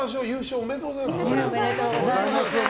おめでとうございます。